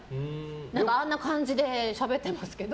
あんな感じでしゃべってますけど。